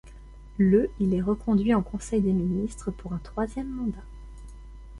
Le il est reconduit en conseil des ministres pour un troisième mandat.